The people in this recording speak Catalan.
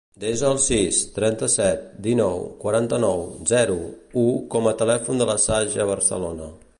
Desa el sis, trenta-set, dinou, quaranta-nou, zero, u com a telèfon de la Saja Barcelona.